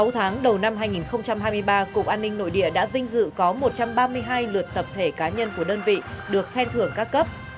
sáu tháng đầu năm hai nghìn hai mươi ba cục an ninh nội địa đã vinh dự có một trăm ba mươi hai lượt tập thể cá nhân của đơn vị được khen thưởng các cấp